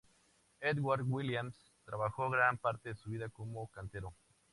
Edward Williams trabajó gran parte de su vida como cantero.